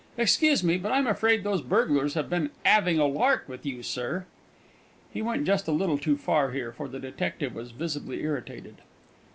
Excuse me, but I'm afraid those burglars have been 'aving a lark with you, sir." He went just a little too far here, for the detective was visibly irritated.